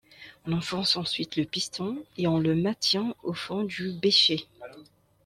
On enfonce ensuite le piston et on le maintient au fond du bécher.